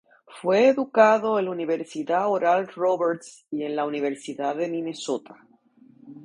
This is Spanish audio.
Fue educado en la Universidad Oral Roberts y en la Universidad de Minnesota.